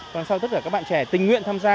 còn sau tất cả các bạn trẻ tình nguyện tham gia